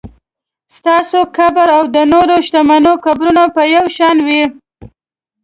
ستاسو قبر او د نورو شتمنو قبرونه به یو شان وي.